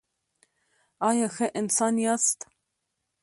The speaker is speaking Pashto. ایا ښه انسان یاست؟